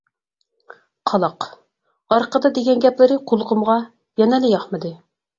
قالاق، ئارقىدا دېگەن گەپلىرى قۇلىقىمغا يانىلا ياقمىدى.